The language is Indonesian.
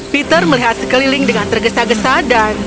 peter melihat sekeliling dengan tergesa gesa dan